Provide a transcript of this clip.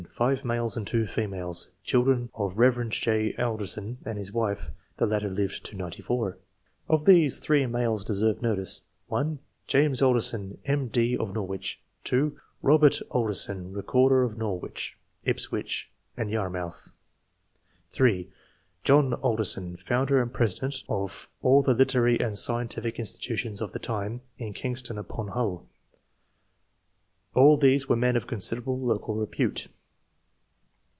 — 5 males and 2 females, chil dren of the Kev. J. Alderson and his w^ife (the latter lived to 94). Of these, 3 males deserve notice :— r(l) James Alderson, M.D., of Norwich ; (2) Eobert Alderson, Recorder of Norwich, Ips wich, and Yarmouth ; (3) John Alderson, founder 42 ENOLIHH MEN OF SCIENCE. [chap. and president of all the literary and scientific institutions of the time in Kingston upon Hull. All these were men of considerable local repute.